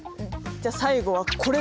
じゃあ最後はこれ。